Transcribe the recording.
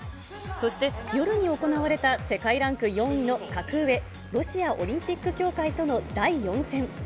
そして夜に行われた世界ランク４位の格上、ロシアオリンピック協会との第４戦。